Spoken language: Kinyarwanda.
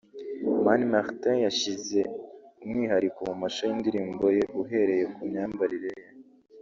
Mani Martin yashyize umwihariko mu mashusho y’indirimbo ye uhereye ku myambarire ye